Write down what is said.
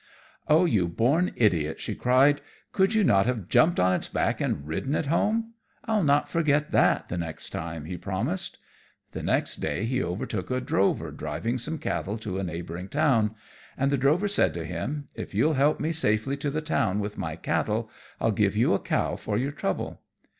"Oh, you born idiot!" she cried; "could you not have jumped on its back and ridden it home?" "I'll not forget that the next time," he promised. The next day he overtook a drover driving some cattle to a neighbouring town, and the drover said to him, "If you'll help me safely to the town with my cattle, I'll give you a cow for your trouble."